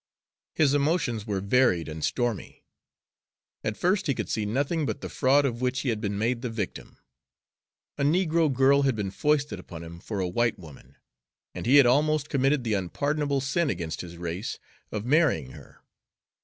His emotions were varied and stormy. At first he could see nothing but the fraud of which he had been made the victim. A negro girl had been foisted upon him for a white woman, and he had almost committed the unpardonable sin against his race of marrying her.